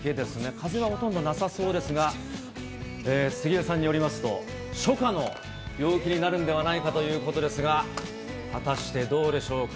風はほとんどなさそうですが、杉江さんによりますと、初夏の陽気になるんではないかということですが、果たしてどうでしょうか。